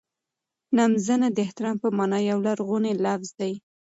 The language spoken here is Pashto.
نمځنه د احترام په مانا یو لرغونی لفظ دی.